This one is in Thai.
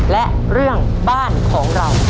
และเรื่องบ้านของเรา